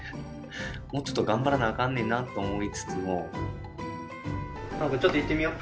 もうちょっと頑張らなあかんねんなと思いつつも。